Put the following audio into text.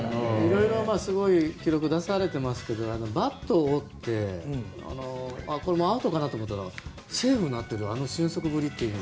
色々すごい記録を出されてますけどバットを折ってこれ、アウトかなと思ったらセーフになっているあの俊足ぶりという。